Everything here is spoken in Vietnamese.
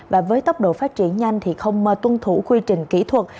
và với tốc độ phát triển nhanh thì không tuân thủ quy trình kỹ thuật